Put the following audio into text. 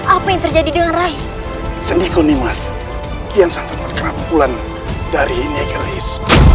apa yang terjadi dengan rai sendikoni mas kian santan berkerak bulan dari negeris